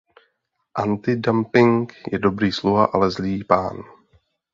Antidumping je dobrý sluha, ale zlý pán.